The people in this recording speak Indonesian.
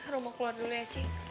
rumah keluar dulu ya encing